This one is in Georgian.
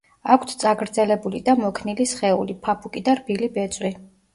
აქვთ წაგრძელებული და მოქნილი სხეული, ფაფუკი და რბილი ბეწვი.